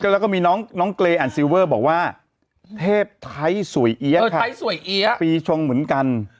แล้วก็มีน้องเกรอ่านซิลเวอร์บอกว่าเทพไทยสวยเอี๊ยะปีชงเหมือนกัน